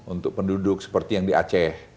untuk penduduk seperti yang di aceh